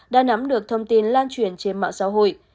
đã nắm được thông tin lan truyền trên mạng xã hội